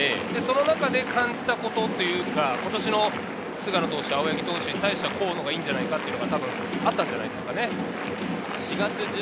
その中で感じたこと、今年の菅野投手、青柳投手に対してはこのほうがいいんじゃないかっていうのがあったんじゃないですかね。